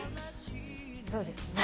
そうですね。